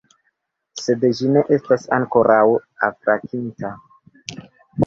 Sed ĝi ne estas ankoraŭ afrankita.